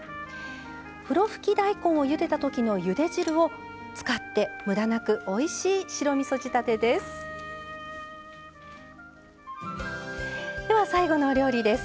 ふろふき大根をゆでたときのゆで汁を使ってむだなくおいしい白みそ仕立てです。